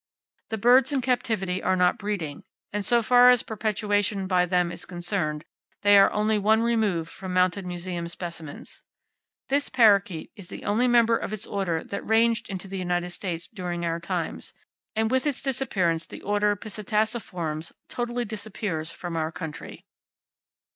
The birds in captivity are not breeding, and so far as perpetuation by them is concerned, they are only one remove from mounted museum specimens. This parrakeet is the only member of its order that ranged into the United States during our own times, and with its disappearance the Order Psittaciformes totally disappears from our country.